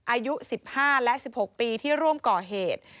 อายุ๑๕และ๑๖ปีที่ร่วมก่อเหตุ